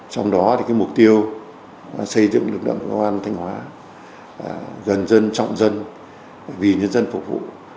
trong đó thì mục tiêu xây dựng lực lượng công an thanh hóa gần dân trọng dân vì nhân dân phục vụ